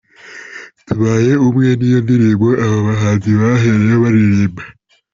Tubaye umwe niyo ndirimbo aba bahanzi bahereyeho baririmba.